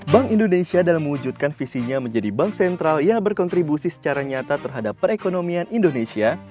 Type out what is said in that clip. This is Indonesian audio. bank indonesia dalam mewujudkan visinya menjadi bank sentral yang berkontribusi secara nyata terhadap perekonomian indonesia